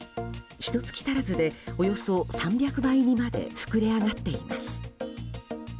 ひと月足らずでおよそ３００倍にまで膨れ上がっています。